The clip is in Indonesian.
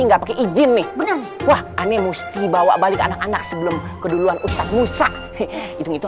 nggak pakai izin nih wah aneh musti bawa balik anak anak sebelum keduluan ustadz musa itu